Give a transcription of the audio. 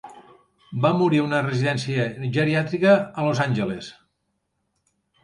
Va morir a una residència geriàtrica a Los Angeles.